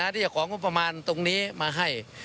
ที่ของงบประมาณตรงนี้มาให้